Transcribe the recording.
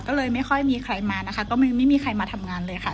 ก็เลยไม่ค่อยมีใครมานะคะก็ไม่มีใครมาทำงานเลยค่ะ